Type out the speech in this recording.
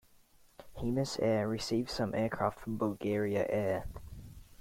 Hemus Air received some aircraft from Bulgaria Air.